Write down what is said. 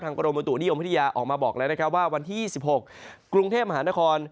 ทางกรมตุนิยมพฤษฐียาออกมาบอกแล้วว่าวันที่๒๖กรุงเทพฯมหานคร